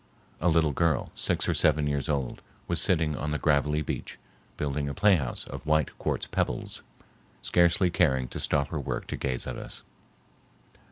A little girl, six or seven years old, was sitting on the gravelly beach, building a playhouse of white quartz pebbles, scarcely caring to stop her work to gaze at us.